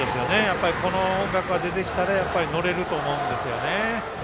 この音楽が出てきたらやっぱり乗れると思うんですよね。